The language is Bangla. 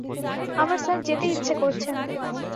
আমার স্যার যেতে ইচ্ছে করছে না।